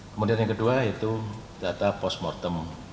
kemudian yang kedua yaitu data postmortem